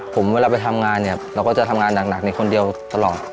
ผมเวลาไปทำงานเนี่ยเราก็จะทำงานหนักในคนเดียวตลอด